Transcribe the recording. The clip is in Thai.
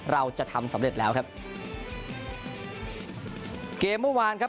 เราจะทำสำเร็จแล้วครับเกมเมื่อวานครับ